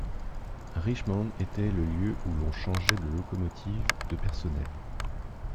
Richmond était le lieu où l'on changeait de locomotive et de personnel.